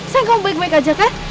sayang kamu baik baik aja kan